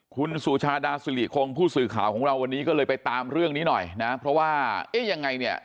คุณสุชาดาสิริคงผู้สื่อข่าวของเราวันนี้ก็เลยไปตามเรื่องนี้หน่อยนะเพราะว่าเอ๊ะยังไงเนี่ย